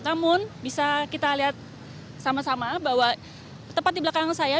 namun bisa kita lihat sama sama bahwa tepat di belakang saya